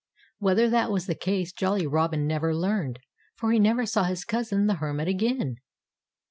Whether that was the case, Jolly Robin never learned. For he never saw his cousin the Hermit again.